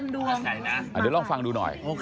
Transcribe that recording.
เดี๋ยวลองฟังดูหน่อย